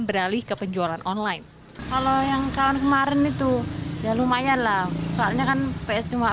beralih ke penjualan online kalau yang tahun kemarin itu ya lumayan lah soalnya kan ps cuma